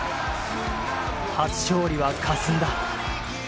初勝利はかすんだ。